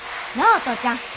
なあお父ちゃん。